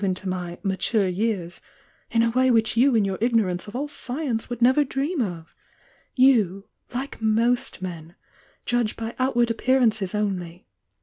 n t^i my 'mature years' in a way which you in y 'ur ignorance of all science would never dream of. Vou, like most men, judge by outward appearances only.